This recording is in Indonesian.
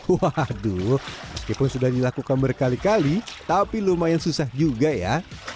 waduh meskipun sudah dilakukan berkali kali tapi lumayan susah juga ya